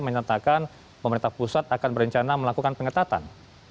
menyatakan pemerintah pusat akan berencana melakukan pengetatan